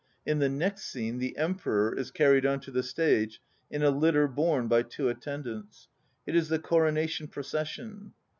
In the next scene the EMPEROR 2 is carried on to the stage in a litter borne by two attendants. It is the coronation procession.